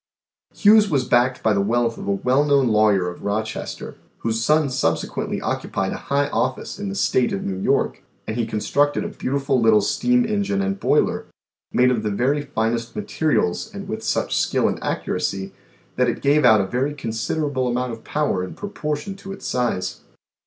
Hughes was backed by the wealth of a well known lawyer of Rochester, whose son subsequently occupied a high office in the state of New York, and he constructed a beautiful little steam engine and boiler, made of the very finest materials and with such skill and accuracy that it gave out a very consid erable amount of power in proportion to its size.